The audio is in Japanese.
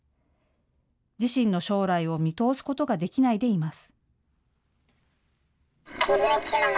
自身の将来を見通すことができないでいます。